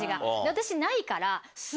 私ないから。